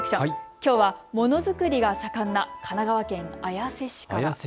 きょうは、ものづくりが盛んな神奈川県綾瀬市から。